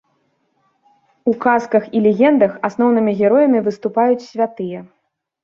У казках і легендах асноўнымі героямі выступаюць святыя.